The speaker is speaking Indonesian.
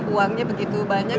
uangnya begitu banyak